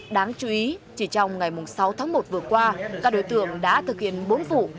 đáng chú ý chỉ trong ngày sáu tháng một vừa qua các đối tượng đã thực hiện bốn vụ